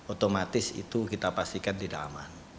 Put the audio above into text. otomatis itu kita pastikan tidak aman